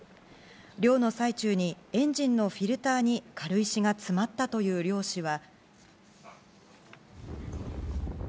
漁の最中にエンジンのフィルターに軽石が詰まったという漁師は。